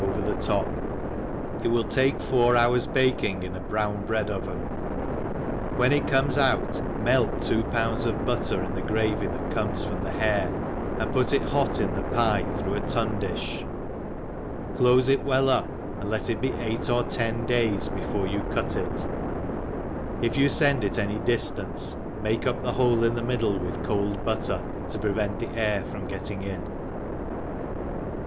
149 over the top; it will take four hours baking in a brown bread oven^ when it comes out, melt two pounds of butter in the gravy that comes from the hare^and pour it hot in the pye through a tun di(h, clofe it well up, aind let it be eight or ten days before you cut it ; if you fend it any dii^ance, make up the hole in the middle with cold butter to prevent the air from getting in.